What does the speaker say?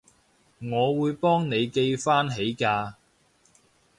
我會幫你記返起㗎